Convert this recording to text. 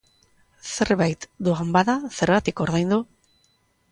Zerbait doan bada, zergatik ordaindu?